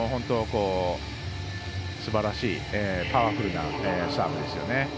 すばらしいパワフルなサーブですよね。